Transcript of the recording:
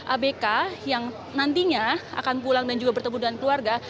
abk yang nantinya akan pulang dan juga bertemu dengan keluarga